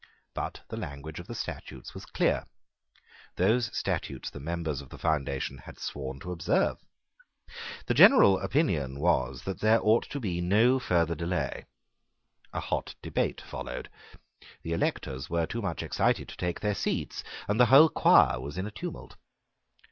But the language of the statutes was clear. Those statutes the members of the foundation had sworn to observe. The general opinion was that there ought to be no further delay. A hot debate followed. The electors were too much excited to take their seats; and the whole choir was in a tumult.